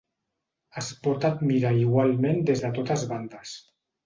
Es pot admirar igualment des de totes bandes.